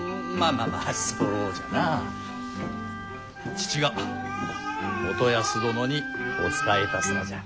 父が元康殿にお仕えいたすのじゃ。